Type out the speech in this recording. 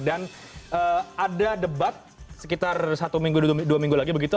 dan ada debat sekitar satu minggu dua minggu lagi begitu